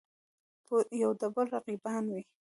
یودبل رقیبان وي.